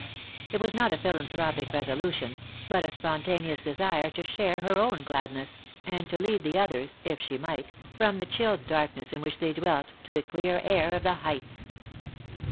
It was not a philanthropic resolution, but a spontaneous desire to share her own gladness, and to lead the others, if she might, from the chill darkness in which they dwelt to the clear air of the heights.